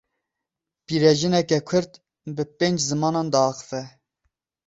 Pîrejineke Kurd bi pênc zimanan diaxive.